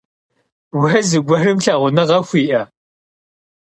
Vue zıguerım lhağunığe xui'e?